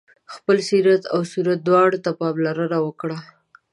خپل سیرت او صورت دواړو ته پاملرنه وکړه.